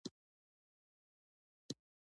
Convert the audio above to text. نو ستالجیا یا تېر مهال ته ورتګ ده.